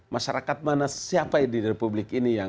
masyarakat mana siapa di republik ini yang